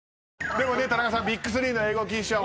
でもね田中さん『ＢＩＧ３』の英語禁止は。